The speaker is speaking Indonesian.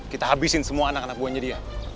kita habisin semua anak anak buahnya dia